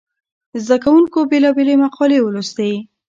زده کوونکو بېلابېلې مقالې ولوستې.